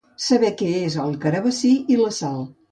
Saber què és el carabassí i la sal.